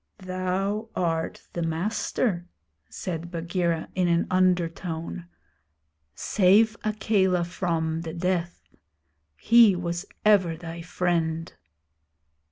'Thou art the master,' said Bagheera, in an undertone. 'Save Akela from, the death. He was ever thy friend.'